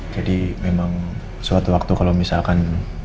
jadi memang suatu waktu kalau misalkan